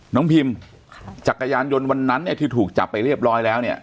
น้องพิมจักรยานยนต์วันนั้นที่ถูกจับไปเรียบร้อยแล้ว